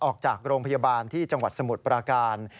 ออกจากโรงพยาบาลที่จังหวัดสมุทรปราการ